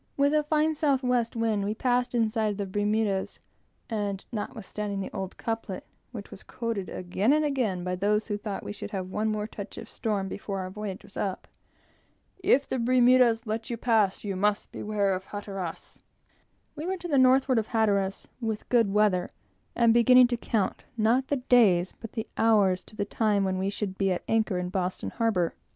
With a fine south west wind, we passed inside of the Bermudas; and notwithstanding the old couplet, which was quoted again and again by those who thought we should have one more touch of a storm before our voyage was up, "If the Bermudas let you pass, You must beware of Hatteras " we were to the northward of Hatteras, with good weather, and beginning to count, not the days, but the hours, to the time when we should be at anchor in Boston harbor.